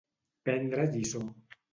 Prendre lliçó.